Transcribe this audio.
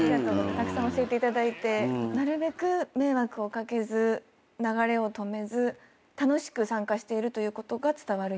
たくさん教えていただいてなるべく迷惑を掛けず流れを止めず楽しく参加しているということが伝わるように。